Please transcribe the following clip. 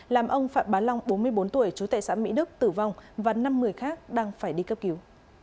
làm ông phạm bá long bốn mươi bốn tuổi chú tệ xã mỹ đức tử vong và năm người khác đang phải đi cấp cứu